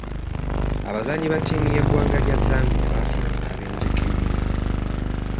Abazannyi ba ttiimu y'eggwanga lya Zambia baafiira mu kabenje k'ennyonyi.